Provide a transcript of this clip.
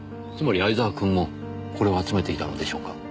つまり藍沢くんもこれを集めていたのでしょうか？